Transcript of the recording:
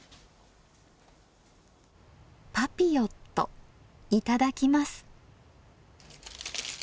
パピヨットいただきます。